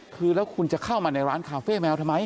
คือแล้วคุณจะเข้ามาในร้านคาเฟ่แมวทำไม